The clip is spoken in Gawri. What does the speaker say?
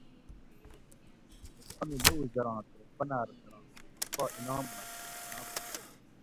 موٹو امی لوؤ زراں تے پناۤر ذراں ٹھونگ پا انعام مئ چھاۤں ہو